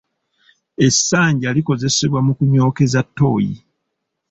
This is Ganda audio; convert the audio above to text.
Essanja likozesebwa mu kunyookeza ttooyi.